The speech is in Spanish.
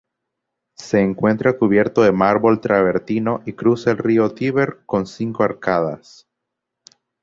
Se encuentra cubierto de mármol travertino y cruza el río Tíber con cinco arcadas.